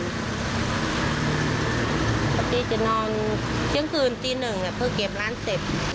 ปกติจะนอนเที่ยงคืนตีหนึ่งเพื่อเก็บร้านเสร็จ